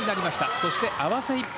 そして合わせ一本。